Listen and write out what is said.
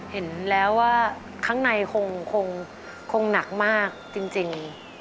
เห็นแล้วว่าข้างในคงหนักมากจริง